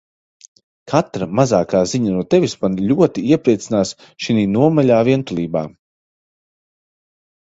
Katra mazākā ziņa no Tevis mani ļoti iepriecinās šinī nomaļā vientulībā.